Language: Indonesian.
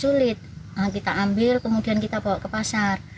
sulit kita ambil kemudian kita bawa ke pasar